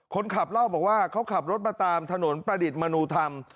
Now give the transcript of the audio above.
คนขับเล่าบอกว่าเขาขับรถมาตามถนนประดิษฐ์มนุธรรม